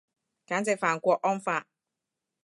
簡直犯郭安發